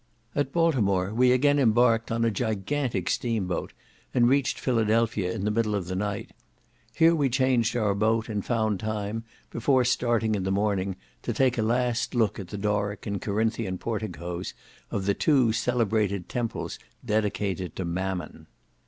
At Baltimore we again embarked on a gigantic steam boat, and reached Philadelphia in the middle of the night. Here we changed our boat and found time, before starting in the morning, to take a last look at the Doric and Corinthian porticos of the two celebrated temples dedicated to Mammon.